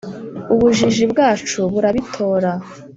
ubujiji bwacu burabitora ,